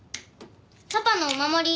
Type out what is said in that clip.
パパのお守り。